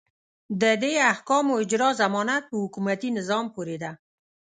د دې احکامو اجرا ضمانت په حکومتي نظام پورې ده.